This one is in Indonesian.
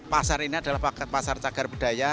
pasar ini adalah pasar cagar budaya